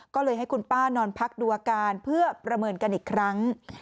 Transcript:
ก็เลยให้คุณป้านอนพักดูอาการเพื่อประเมินกันอีกครั้ง